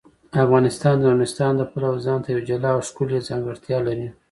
افغانستان د نورستان د پلوه ځانته یوه جلا او ښکلې ځانګړتیا لري.